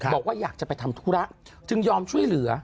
บอกว่าอยากจะไปทำธุระจึงยอมช่วยเหลือ